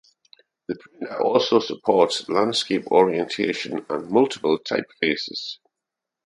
The printer also supports landscape orientation and multiple typefaces.